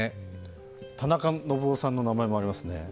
田中信夫さんの名前もありますね。